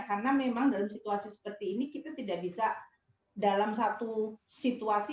karena memang dalam situasi seperti ini kita tidak bisa dalam satu situasi